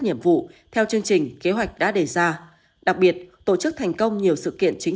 nhiệm vụ theo chương trình kế hoạch đã đề ra đặc biệt tổ chức thành công nhiều sự kiện chính